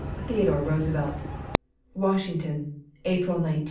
THEODORE ROOSEVELT. WASHINGTON, April 19, 1895.